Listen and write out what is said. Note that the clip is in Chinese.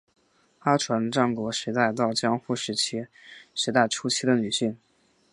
阿船战国时代到江户时代初期的女性。